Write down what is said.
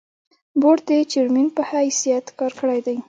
بورډ د چېرمين پۀ حېثيت کار کړے دے ۔